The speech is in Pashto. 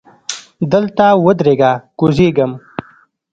دلته ودریږه! کوزیږم.